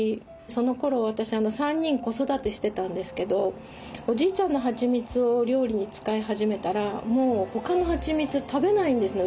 そのころ私３人子育てしてたんですけどおじいちゃんのはちみつを料理に使い始めたらもう他のはちみつ食べないんですね